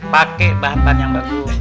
pakai bahan bahan yang bagus